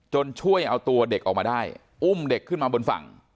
ช่วยเอาตัวเด็กออกมาได้อุ้มเด็กขึ้นมาบนฝั่ง